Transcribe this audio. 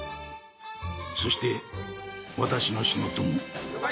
そして私の仕事も。